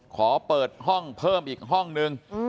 ขอเปิดห้องเพิ่มอีกห้องนึง